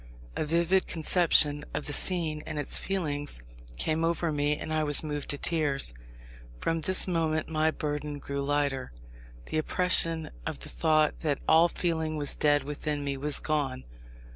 A vivid conception of the scene and its feelings came over me, and I was moved to tears. From this moment my burden grew lighter. The oppression of the thought that all feeling was dead within me was gone.